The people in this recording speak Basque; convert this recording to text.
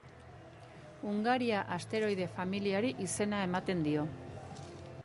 Hungaria asteroide familiari izena ematen dio.